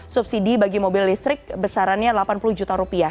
subsidi bagi mobil listrik besarannya delapan puluh juta rupiah